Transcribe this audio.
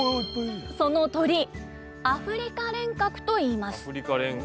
その鳥アフリカレンカクといいます。